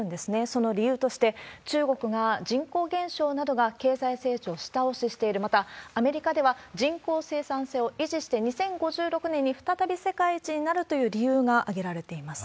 その理由として、中国が人口減少などが経済成長を下押ししている、また、アメリカでは人口生産性を維持して、２０５６年に再び世界一になるという理由が挙げられています。